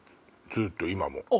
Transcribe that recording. ずっと今も。